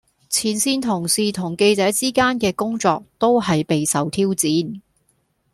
前線同事同記者之間嘅工作都係備受挑戰